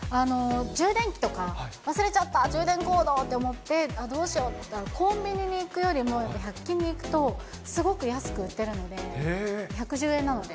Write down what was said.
充電器とか、忘れちゃった、充電コードと思って、どうしようっていったら、コンビニに行くよりも、やっぱり１００均に行くと、すごく安く売ってるので、１１０円なので。